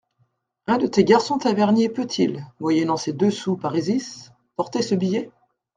Un de tes garçons taverniers peut-il, moyennant ces deux sous parisis, porter ce billet ?